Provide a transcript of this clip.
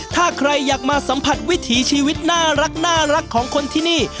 ถ้าใครอยากมาสัมผัสวิถีชีวิตน่ารักของคนที่นี่